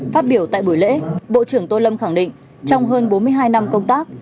phát biểu tại buổi lễ bộ trưởng tô lâm khẳng định trong hơn bốn mươi hai năm công tác